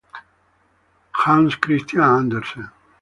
Hans Chr.